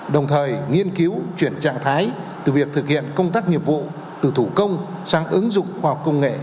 đồng thời nghiên cứu chuyển trạng thái từ việc thực hiện công tác nghiệp vụ từ thủ công sang ứng dụng khoa học công nghệ